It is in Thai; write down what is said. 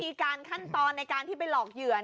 มีการขั้นตอนในการที่ไปหลอกเหยื่อ